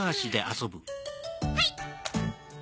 はい！